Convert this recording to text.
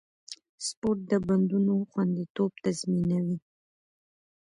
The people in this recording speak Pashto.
سپورت د بندونو خونديتوب تضمینوي.